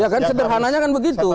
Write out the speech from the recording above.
ya kan sederhananya kan begitu